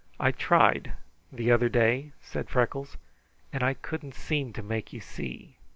"I tried, the other day," said Freckles, "and I couldn't seem to make you see.